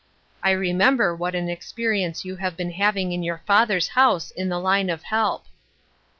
I remember what an expe rience you have been having in your father's house in the line of help."